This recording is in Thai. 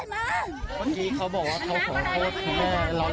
ตอนนี้เขาบอกว่าเขาขอโทษหม่าเรารับแม่หรือยัง